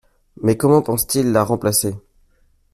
Mais comment pense-t-il la remplacer?